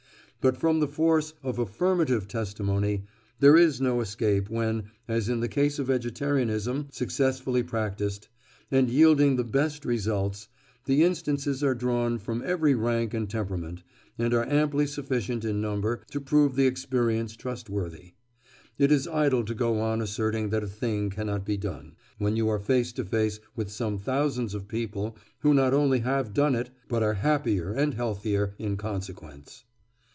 But from the force of affirmative testimony there is no escape, when, as in the case of vegetarianism successfully practised, and yielding the best results, the instances are drawn from every rank and temperament, and are amply sufficient in number to prove the experience trustworthy. It is idle to go on asserting that a thing cannot be done, when you are face to face with some thousands of people who not only have done it, but are happier and healthier in consequence.